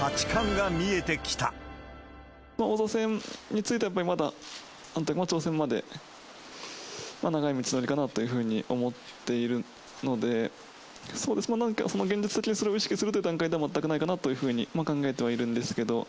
王座戦については、やっぱりまだ挑戦まで長い道のりかなというふうに思っているので、そうですね、現実的にそれを意識するという段階では、全くないかなというふうに考えてはいるんですけど。